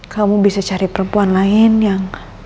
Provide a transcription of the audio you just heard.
kamu bisa cari perempuan lain yang